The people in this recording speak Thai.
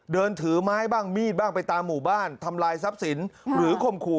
เดินถือไม้บ้างมีดบ้างไปตามหมู่บ้านทำลายทรัพย์สินหรือข่มขู่